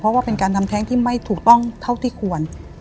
เพราะว่าเป็นการทำแท้งที่ไม่ถูกต้องเท่าที่ควร